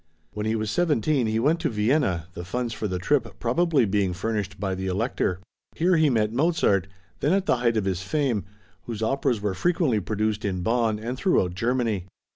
When he was seventeen he went to Vienna, the funds for the trip probably being furnished by the Elector. Here he met Mozart, then at the height of his fame, whose operas were frequently produced in Bonn and throughout Germany.